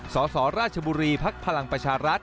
สสราชบุรีพักภลังประชารัฐ